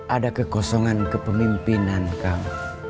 ada kekosongan kepemimpinan kamu